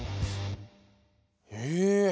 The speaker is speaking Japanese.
え